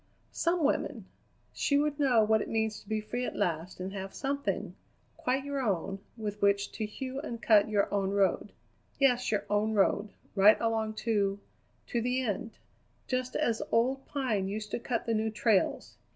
Some woman! She would know what it means to be free at last and have something, quite your own, with which to hew and cut your own road; yes, your own road, right along to to the end, just as old Pine used to cut the new trails.